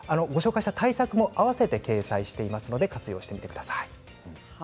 対策も合わせて掲載していますので実践してみてください。